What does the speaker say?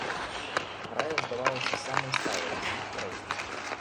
Рая здавалася самай сталай з іх траіх.